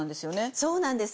そうなんです。